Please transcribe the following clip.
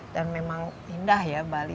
dan memang indah ya bali